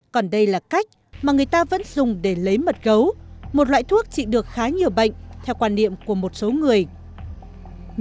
còn đây là cách mà người ta có thể lấy từ cơ thể của một con tê giác